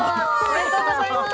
おめでとうございます